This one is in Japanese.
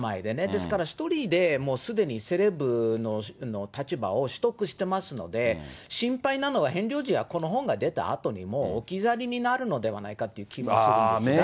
ですから１人でもうすでにセレブの立場を取得してますので、心配なのは、ヘンリー王子がこの本が出たあとにもう置き去りになるのではないかって気はするんですが。